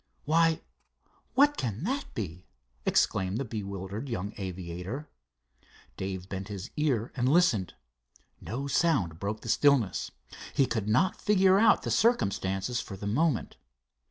"Why, what can that be?" exclaimed the bewildered young aviator. Dave bent his ear and listened. No sound broke the stillness. He could not figure out the circumstances for the moment.